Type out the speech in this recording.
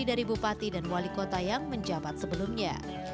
dari bupati dan wali kota yang menjabat sebelumnya